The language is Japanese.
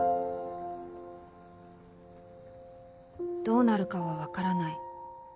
どうなるかはわからない。